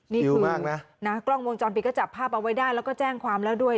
นี่คือกล้องวงจรปิดก็จับภาพเอาไว้ได้แล้วก็แจ้งความแล้วด้วย